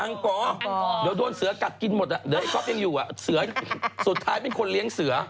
เดี๋ยวโดนเสือกัดกินหมดอ่ะเดี๋ยวไอ้ก๊อฟยังอยู่อ่ะเสือสุดท้ายเป็นคนเลี้ยงเสือ